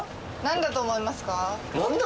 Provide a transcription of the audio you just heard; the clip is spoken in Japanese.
「なんだと思いますか」？